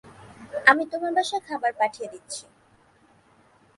আমি তোমার বাসায় খবর পাঠিয়ে দিচ্ছি।